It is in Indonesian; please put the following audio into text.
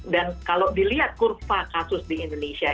dan kalau dilihat kurva kasus di indonesia